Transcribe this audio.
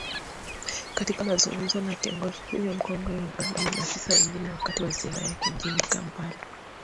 Katika mazungumzo na kiongozi huyo mkongwe wa Uganda na maafisa wengine wakati wa ziara yake mjini kampala.